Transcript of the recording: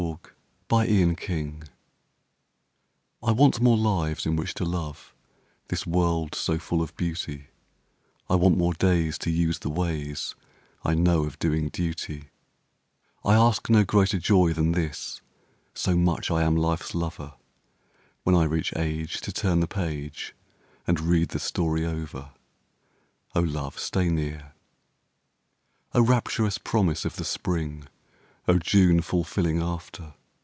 COULEUR DE ROSE I want more lives in which to love This world so full of beauty, I want more days to use the ways I know of doing duty; I ask no greater joy than this (So much I am life's lover), When I reach age to turn the page And read the story over. (O love, stay near!) O rapturous promise of the Spring! O June fulfilling after!